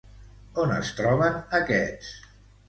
On es troben aquests?